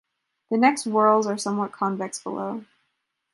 The next whorls are somewhat convex below.